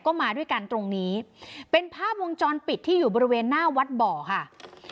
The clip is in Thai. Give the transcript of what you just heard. ก็มาด้วยกันตรงนี้เป็นภาพวงจรปิดที่อยู่บริเวณหน้าวัดบ่อค่ะ